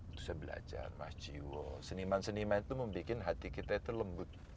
terus saya belajar mas jiwo seniman seniman itu membuat hati kita itu lembut